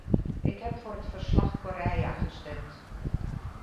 Ik heb voor het verslag-Correia gestemd.